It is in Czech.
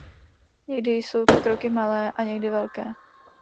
Někdy jsou to kroky malé, a někdy velké.